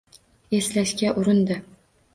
Eslashga urindi